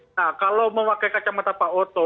nah kalau memakai kacamata pak oto